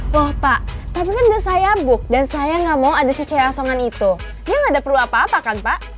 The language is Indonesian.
loh pak tapi kan udah saya book dan saya gak mau ada si ceasongan itu ya gak ada perlu apa apa kan pak